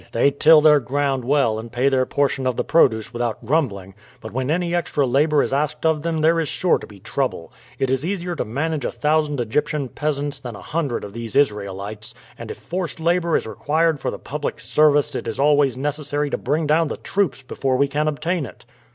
"They till their ground well, and pay their portion of the produce without grumbling, but when any extra labor is asked of them there is sure to be trouble. It is easier to manage a thousand Egyptian peasants than a hundred of these Israelites, and if forced labor is required for the public service it is always necessary to bring down the troops before we can obtain it.